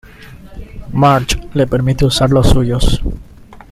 Marge le permite usar los suyos.